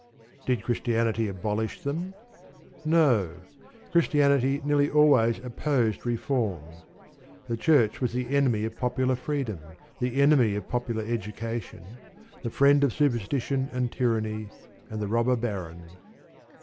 Did Christianity abolish them? No. Christianity nearly always opposed reform. The Church was the enemy of popular freedom, the enemy of popular education; the friend of superstition and tyranny, and the robber baron.